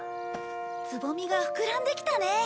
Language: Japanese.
つぼみが膨らんできたね。